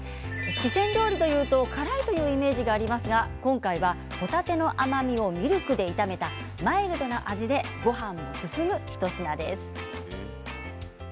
四川料理というと辛いというイメージがありますが今回は、ほたての甘みをミルクで炒めたマイルドな味でごはんも進む一品です。